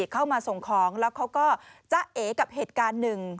เข้ามาส่งของแล้วเขาก็จะเอกับเหตุการณ์หนึ่ง